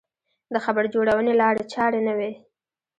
د خبر جوړونې لارې چارې نه وې.